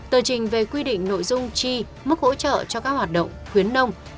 tờ trình về quy định nội dung chi mức hỗ trợ cho các hoạt động khuyến nông